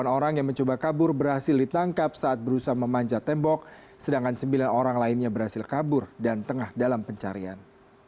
delapan orang yang mencoba kabur berhasil ditangkap saat berusaha memanjat tembok sedangkan sembilan orang lainnya berhasil kabur dan tengah dalam pencarian